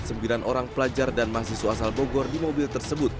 sembilan orang pelajar dan mahasiswa asal bogor di mobil tersebut